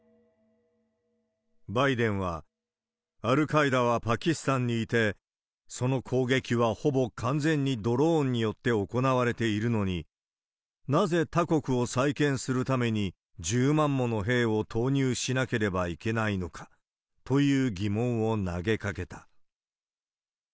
バイデンは、アルカイダはパキスタンにいて、その攻撃はほぼ完全にドローンによって行われているのに、なぜ他国を再建するために１０万もの兵を投入しなければいけないのかという疑問を投げかけた。